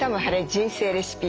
人生レシピ」